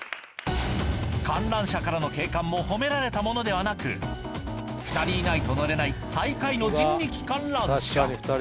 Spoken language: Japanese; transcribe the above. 観覧車からの景観も褒められたものではなく２人いないと乗れない最下位の人力観覧車